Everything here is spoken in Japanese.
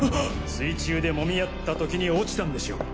水中でもみ合った時に落ちたんでしょう。